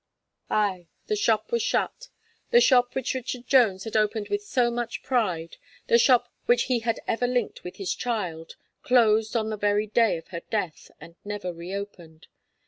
Ay, the shop was shut. The shop which Richard Jones had opened with so much pride the shop which he had ever linked with his child, closed on the day of her death, and never reopened.